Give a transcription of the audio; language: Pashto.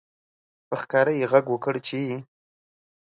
په ښکاره یې غږ وکړ چې